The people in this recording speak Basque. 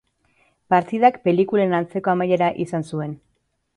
Partidak pelikulen antzeko amaiera izan zuen.